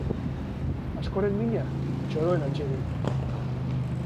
Askoren mina txoroen atsegina.